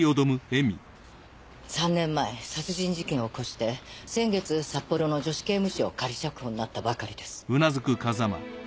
３年前殺人事件を起こして先月札幌の女子刑務所を仮釈放になったばかりです。